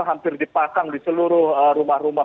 hampir dipasang di seluruh rumah rumah